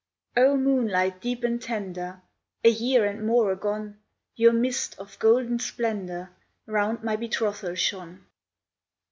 O, moonlight deep and tender, A year and more agone, Your mist of golden splendor Round my betrothal shone!